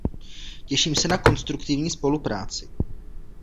Těším se na konstruktivní spolupráci.